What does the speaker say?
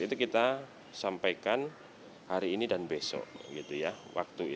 itu kita sampaikan hari ini dan besok